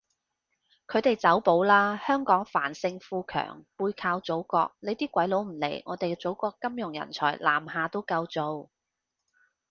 佢哋走寶喇，香港繁盛富強背靠祖國，你啲鬼佬唔嚟，我哋祖國金融人才南下都夠做